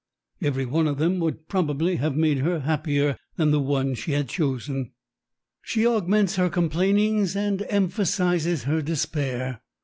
Every one of them would probably have made her happier than the one she had chosen! She augments her complainings and emphasizes her despair.